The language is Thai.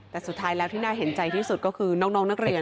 แต่สุดท้ายแล้วที่น่าเห็นใจที่สุดก็คือน้องนักเรียน